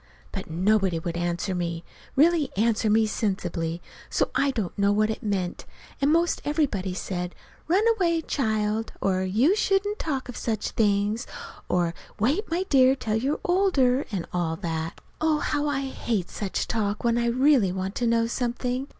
But nobody would answer me really answer me sensibly, so I'd know what it meant; and 'most everybody said, "Run away, child," or "You shouldn't talk of such things," or, "Wait, my dear, till you're older"; and all that. Oh, how I hate such talk when I really want to know something!